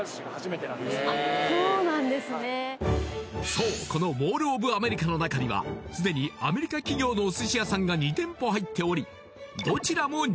そうこのモール・オブ・アメリカの中にはすでにアメリカ企業のお寿司屋さんが２店舗入っており